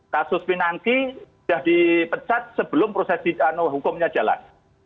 kasus pinangki sudah dipecat sebelum proses hukumnya jalan